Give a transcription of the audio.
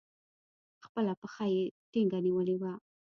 خپله پښه يې ټينگه نيولې وه.